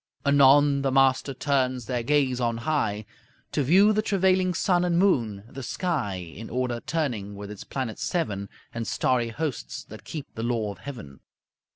Anon the master turns their gaze on high To view the travailing sun and moon, the sky In order turning with its planets seven, And starry hosts that keep the law of heaven.